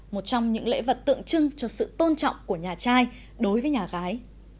một trong những lễ vật tượng trưng cho sự tôn trọng của nhà trai đối với nhà gái